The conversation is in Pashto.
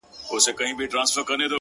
• حدِاقل چي ته مي باید پُخلا کړې وای؛